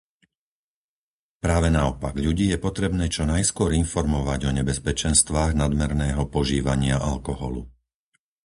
Práve naopak, ľudí je potrebné čo najskôr informovať o nebezpečenstvách nadmerného požívania alkoholu.